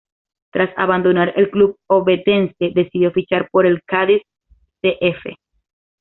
Tras abandonar el club ovetense, decidió fichar por el Cádiz C. F..